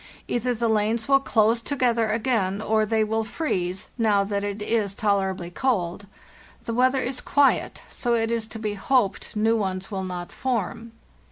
Either the lanes will close together again or they will freeze, now that it is tolerably cold. The weather is quiet, so it is to be hoped new ones will not form.